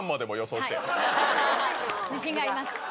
はい自信があります。